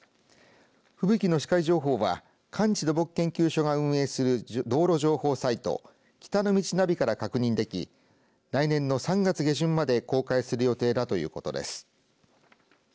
吹雪の視界情報は寒地土木研究所が運営する道路情報サイト北の道ナビから確認でき、来年の３月下旬まで公開する予定だということです。